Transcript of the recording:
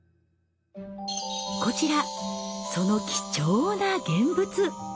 こちらその貴重な現物。